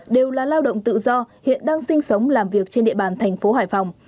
đều là lao động tự do hiện đang sinh sống làm việc trên địa bàn thành phố hải phòng